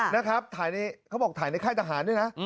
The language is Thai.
นะครับถ่ายในเขาบอกถ่ายในค่ายทหารด้วยนะ